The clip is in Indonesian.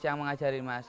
yang mengajarin mas